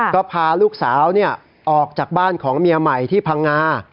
ก็พาลูกสาวออกจากบ้านของเมียใหม่ที่พังงา